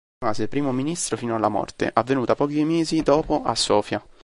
Rimase Primo Ministro fino alla morte, avvenuta pochi mesi dopo a Sofia.